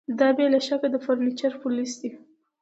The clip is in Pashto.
دا بې له شکه د فرنیچر پولیس دي